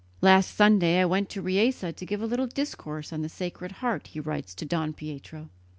"Last Sunday I went to Riese to give a little discourse on the Sacred Heart," he writes to Don Pietro.